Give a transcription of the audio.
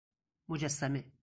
مجسمه